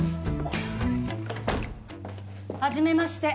はじめまして。